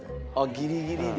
ギリギリで？